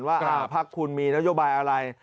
ว่าพักคุณมีนโยบายอะไร